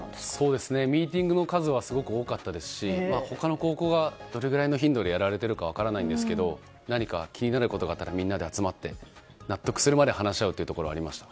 ミーティングの数はすごく多かったですし他の高校が、どれぐらいの頻度でやられているか分からないんですけど気になることがあったらみんなで集まって納得するまで話し合うことがありました。